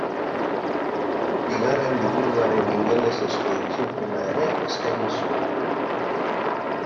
Bigarren liburuaren ingelesezko itzulpena ere eskaini zuen.